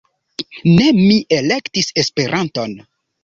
Ne mi elektis Esperanton.